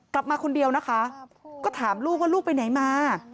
กลับมาคนเดียวนะคะก็ถามลูกว่าลูกไปไหนมา